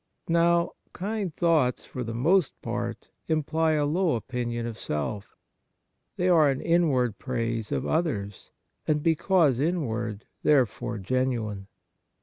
Now, kind thoughts for the most part imply a low opinion of self. They are ari inward praise of others, and because in ward therefore genuine.